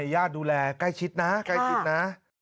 ย่าดูแลใกล้ชิดนะ